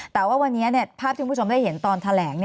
แต่ว่าวันนี้ภาพที่คุณผู้ชมได้เห็นตอนแถลง